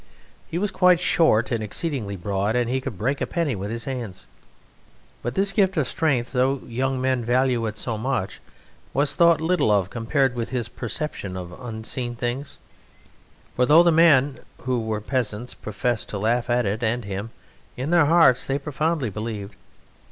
He was quite short and exceedingly broad, and he could break a penny with his hands, but this gift of strength, though young men value it so much, was thought little of compared with his perception of unseen things, for though the men, who were peasants, professed to laugh at it, and him, in their hearts they profoundly believed.